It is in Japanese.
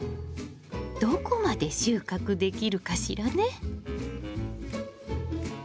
どこまで収穫できるかしらね！